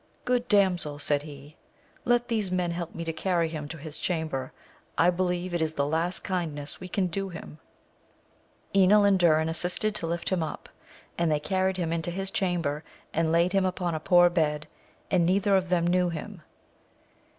Good damsel, said he, let these men help me to carry him to his chamber, I believe it is the last kindness we can do ^^im. Enil and Durin assisted to lift him up, and they AMADIS OF GAUL. 3 carried him into his chamber, and laid hinri upon a poor bed, and neither of them knew him.